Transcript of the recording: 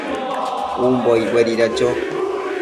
umbo icbuedida cho?